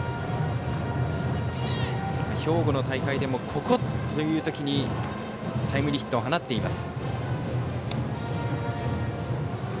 兵庫の大会でも、ここという時にタイムリーヒットを放っています。